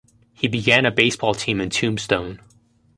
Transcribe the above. He began a baseball team in Tombstone.